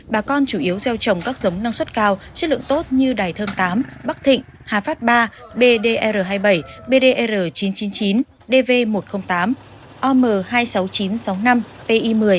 bà con chủ yếu gieo trồng các giống năng suất cao chất lượng tốt như đài thơm tám bắc thịnh hà phát ba bdr hai mươi bảy bdr chín trăm chín mươi chín dv một trăm linh tám om hai mươi sáu nghìn chín trăm sáu mươi năm pi một mươi